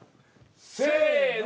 せの。